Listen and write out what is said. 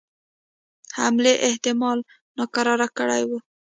حملې احتمال ناکراره کړي وه.